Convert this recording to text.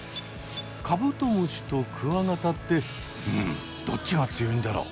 カブトムシとクワガタってうんどっちが強いんだろ？